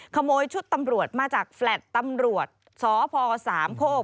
ขโมยชุดตำรวจมาจากแฟลต์ตำรวจสพสามโคก